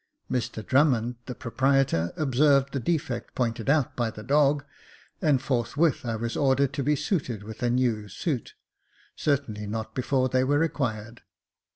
Mr Drummond, the proprietor, observed the defect pointed out by the dog, and forthwith I was ordered to be suited with a new suit — certainly not before they were required.